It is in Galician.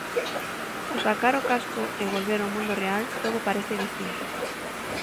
Ao sacar o casco e volver ao mundo real, todo parece distinto.